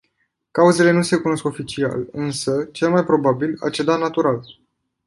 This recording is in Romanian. Cauzele nu se cunosc oficial, însă, cel mai probabil, a cedat natural.